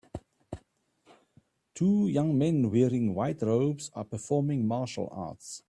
two young men wearing white robes are performing martial arts.